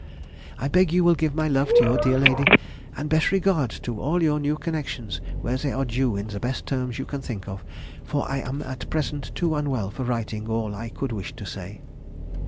I beg you will give my love to your dear lady, and best regards to all your new connections where they are due in the best terms you can think of, for I am at present too unwell for writing all I could wish to say.